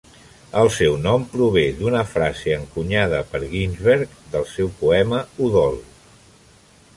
El seu nom prové d'una frase encunyada per Ginsberg, del seu poema "Udol".